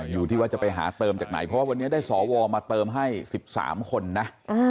อยู่ที่ว่าจะไปหาเติมจากไหนเพราะว่าวันนี้ได้สวมาเติมให้๑๓คนนะ